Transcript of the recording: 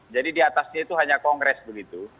jadi di atasnya itu hanya kongres begitu